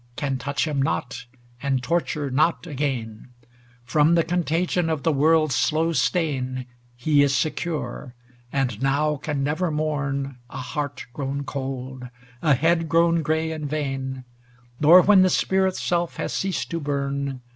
Can touch him not and torture not again; From the contagion of the world's slow stain He is secure, and now can never mourn A heart grown cold, a head grown gray in vain; Nor, when the spirit's self has ceased to burn.